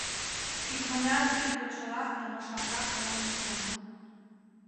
Икмыняр йӱд почела ӧрмашанрак омым ужым.